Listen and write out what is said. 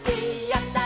「やった！